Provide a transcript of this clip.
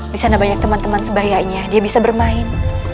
disana banyak teman teman sebayainya dia bisa bermain